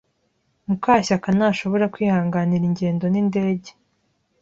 Mukashyaka ntashobora kwihanganira ingendo nindege.